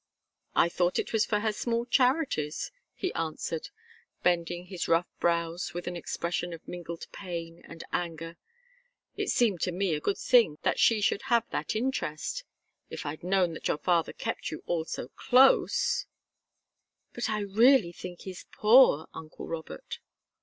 "I thought it was for her small charities," he answered, bending his rough brows with an expression of mingled pain and anger. "It seemed to me a good thing that she should have that interest. If I'd known that your father kept you all so close " "But I really think he's poor, uncle Robert."